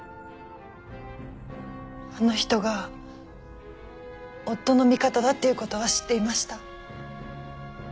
あの人が夫の味方だっていう事は知っていました。